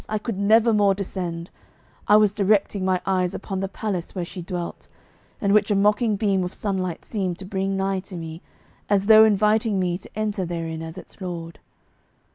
I could never more descend I was directing my eyes upon the palace where she dwelt, and which a mocking beam of sunlight seemed to bring nigh to me, as though inviting me to enter therein as its lord?